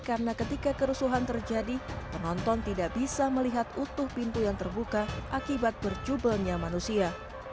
karena ketika kerusuhan terjadi penonton tidak bisa melihat utuh pintu yang terbuka akibat berjubelnya manusia